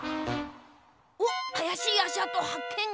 おっあやしいあしあとはっけん！